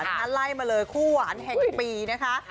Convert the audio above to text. ไล่มาเลยคู่หวานแห่งปีนะคะ